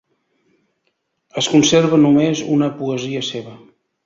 Es conserva només una poesia seva.